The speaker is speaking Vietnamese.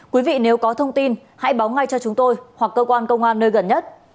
quý vị nếu có thông tin hãy báo ngay cho chúng tôi hoặc cơ quan công an nơi gần nhất